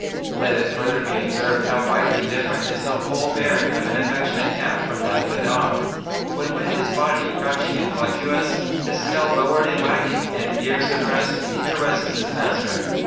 Let it further be observed how widely different is the whole bearing of an affectionate cat from that of a dog, when with his body crouching and flexuous, his tail lowered and wagging, and ears depressed, he caresses his master.